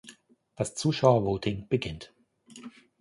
Das Zuschauervoting beginnt.